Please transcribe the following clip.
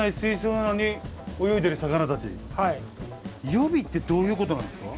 予備ってどういうことなんですか？